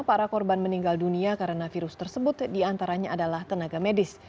para korban meninggal dunia karena virus tersebut diantaranya adalah tenaga medis